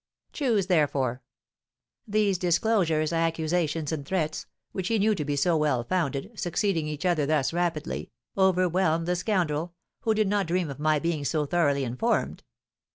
Choose therefore.' These disclosures, accusations, and threats, which he knew to be so well founded, succeeding each other thus rapidly, overwhelmed the scoundrel, who did not dream of my being so thoroughly informed.